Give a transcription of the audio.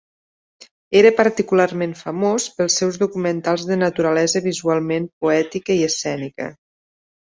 Era particularment famós pels seus documentals de naturalesa visualment poètica i escènica.